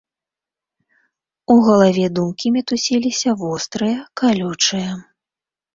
У галаве думкі мітусіліся, вострыя, калючыя.